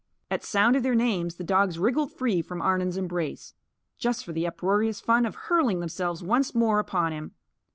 _" At sound of their names, the dogs wriggled free from Arnon's embrace just for the uproarious fun of hurling themselves once more upon him.